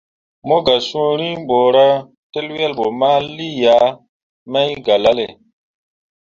Mo gah sũũ riŋ borah tǝl wel bo ma lii yah mai galale.